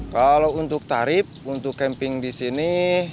kalau untuk tarif untuk camping di sini